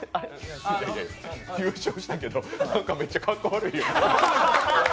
優勝したけどなんかめっちゃかっこ悪い。